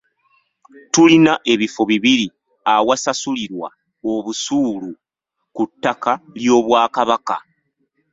Tulina ebifo bibiri awasasulirwa obusuulu ku ttaka ly'Obwakabaka.